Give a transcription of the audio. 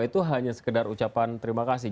itu hanya sekedar ucapan terima kasih